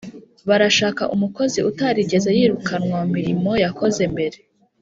Barashaka umukkozi utarigeze yirukanwa mu mirimo yakoze mbere